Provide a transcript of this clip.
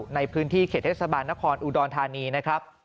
ในพื้นที่เขตเทศบาลนครอุดรธานีนะครับ